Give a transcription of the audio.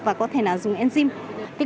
và có thể là dùng enzyme